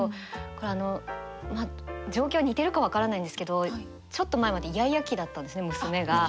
これあの状況似てるか分からないんですけどちょっと前までイヤイヤ期だったんですね娘が。